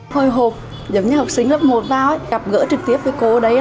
hồi hộp giống như học sinh lớp một vào gặp gỡ trực tiếp với cô đấy